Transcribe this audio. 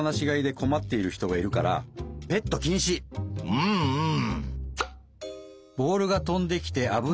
うんうん。